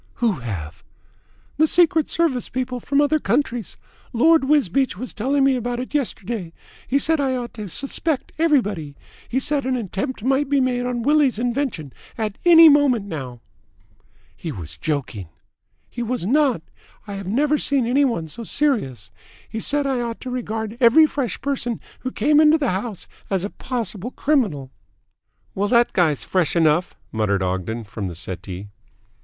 "Who have?" "The Secret Service people from other countries. Lord Wisbeach was telling me about it yesterday. He said that I ought to suspect everybody. He said that an attempt might be made on Willie's invention at any moment now." "He was joking." "He was not. I have never seen any one so serious. He said that I ought to regard every fresh person who came into the house as a possible criminal." "Well, that guy's fresh enough," muttered Ogden from the settee. Mrs.